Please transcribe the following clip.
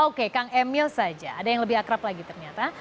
oke kang emil saja ada yang lebih akrab lagi ternyata